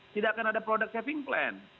tidak akan ada produk saving plan